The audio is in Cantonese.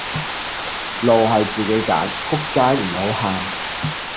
路係自己揀,仆街唔好喊